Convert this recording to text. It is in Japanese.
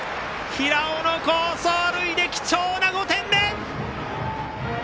平尾の好走塁で貴重な５点目！